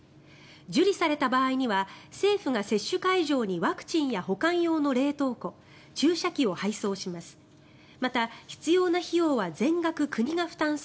受理された場合には政府が接種会場にワクチンや保管用の冷凍庫注射器を配送します。